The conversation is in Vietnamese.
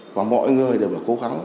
và mọi người đều phải cố gắng